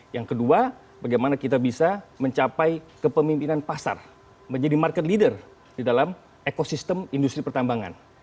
yang kedua bagaimana kita bisa mencapai kepemimpinan pasar menjadi market leader di dalam ekosistem industri pertambangan